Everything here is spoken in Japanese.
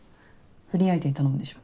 不倫相手に頼むんでしょ。